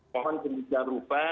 mohon kebijakan rupa